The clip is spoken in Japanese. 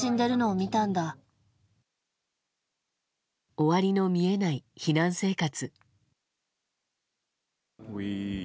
終わりの見えない避難生活。